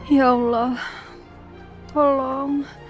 ya allah tolong